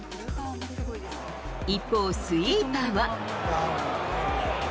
一方、スイーパーは。